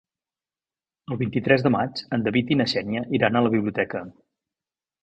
El vint-i-tres de maig en David i na Xènia iran a la biblioteca.